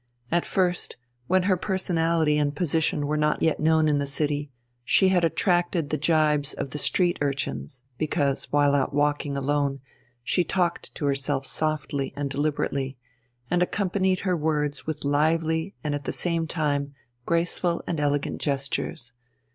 At first, when her personality and position were not yet known in the city, she had attracted the gibes of the street urchins, because, while out walking alone, she talked to herself softly and deliberately, and accompanied her words with lively and at the same time graceful and elegant gestures.